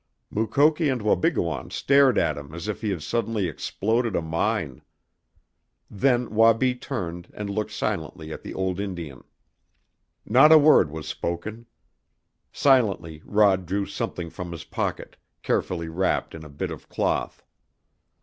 Mukoki and Wabigoon stared at him as if he had suddenly exploded a mine. Then Wabi turned and looked silently at the old Indian. Not a word was spoken. Silently Rod drew something from his pocket, carefully wrapped in a bit of cloth.